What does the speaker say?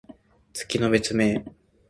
月の別名。